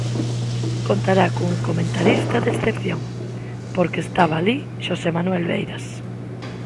Contará cun comentarista de excepción, porque estaba alí: Xosé Manuel Beiras.